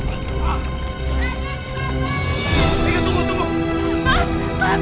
bapak jamil ketuk bakaran